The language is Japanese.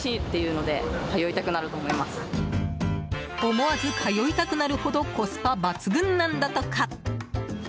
思わず通いたくなるほどコスパ抜群なんだとか。